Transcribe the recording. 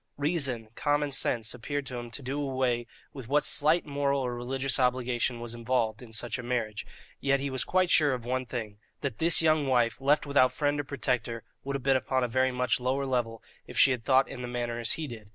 Reason, common sense, appeared to him to do away with what slight moral or religious obligation was involved in such a marriage; yet he was quite sure of one thing that this young wife, left without friend or protector, would have been upon a very much lower level if she had thought in the manner as he did.